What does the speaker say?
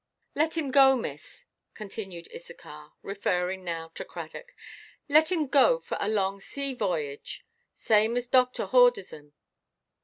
"Let him go, miss," continued Issachar, referring now to Cradock; "let him go for a long sea–vohoyage, same as doctor horders un.